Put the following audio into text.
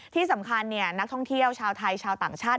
ที่สำคัญนักท่องเที่ยวชาวไทยชาวต่างชาติ